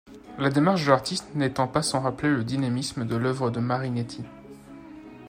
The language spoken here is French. La démarche de l'artiste n'étant pas sans rappeler le dynamisme de l'œuvre de Marinetti.